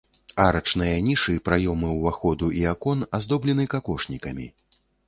Арачныя нішы, праёмы ўваходу і акон аздоблены какошнікамі.